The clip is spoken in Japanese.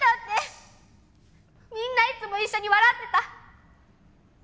みんないつも一緒に笑ってた。